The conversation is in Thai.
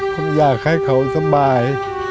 ผมอยากให้เขาสบาย